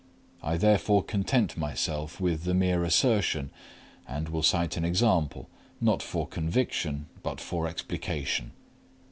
I therefore content myself with the mere assertion, and will cite an example, not for conviction but for explication.